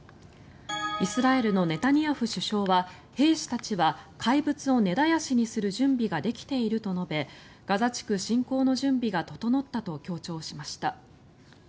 イスラエルのネタニヤフ首相は兵士たちは怪物を根絶やしにする準備ができていると述べガザ地区侵攻の準備が整ったと強調しました。